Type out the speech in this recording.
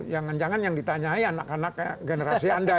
tapi ada yang ditanyai anak anak generasi anda